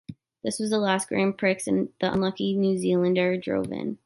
This was the last Grand Prix the unlucky New Zealander drove in.